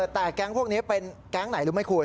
แต่แก๊งพวกนี้เป็นแก๊งไหนรู้ไหมคุณ